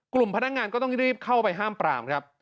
พนักงานก็ต้องรีบเข้าไปห้ามปรามครับ